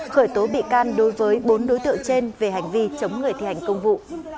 khởi tố bị can đối với bốn đối tượng trên về hành vi chống người thi hành công vụ